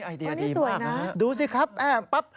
อันนี้สวยนะครับดูสิครับแอบปั๊บ